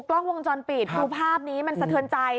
กล้องวงจรปิดดูภาพนี้มันสะเทือนใจ